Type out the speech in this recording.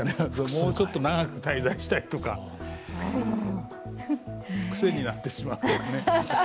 もうちょっと長く滞在したいとかくせになってしまうかも。